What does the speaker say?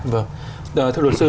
vâng thưa luật sư